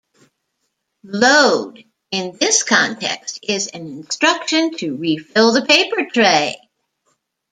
"Load", in this context, is an instruction to refill the paper tray.